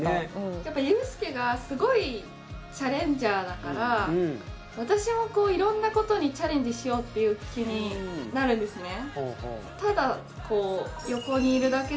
やっぱユースケがすごいチャレンジャーだから私もいろんなことにチャレンジしようっていう気になるんですね。